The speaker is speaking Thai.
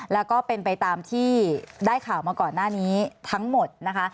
แล้วก็เป็นไปตามที่ได้ข่าวมาก่อนหน้านี้ทั้งหมดนะคะ